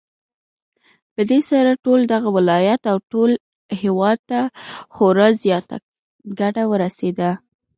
پدې سره ټول دغه ولايت او ټول هېواد ته خورا زياته گټه ورسېده